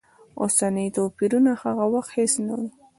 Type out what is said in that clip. اوسني توپیرونه هغه وخت هېڅ نه و.